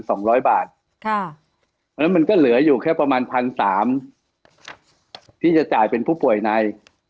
เพราะฉะนั้นมันก็เหลืออยู่แค่ประมาณพันสามที่จะจ่ายเป็นผู้ป่วยใน